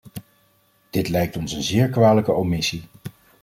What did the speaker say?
Dit lijkt ons een zeer kwalijke omissie.